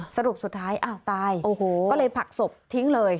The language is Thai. สรุปสุดท้ายอ้าวตายก็เลยผลักศพทิ้งเลย